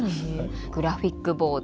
グラフィックボード。